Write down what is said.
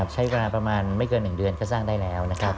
ใช้เวลาประมาณไม่เกิน๑เดือนก็สร้างได้แล้วนะครับ